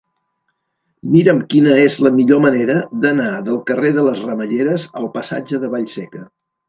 Mira'm quina és la millor manera d'anar del carrer de les Ramelleres al passatge de Vallseca.